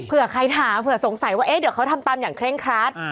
เผื่อใครถามเผื่อสงสัยว่าเดี๋ยวเขาทำตามอย่างเคร่งครัด